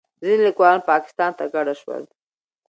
ځینې لیکوالان پاکستان ته کډه شول.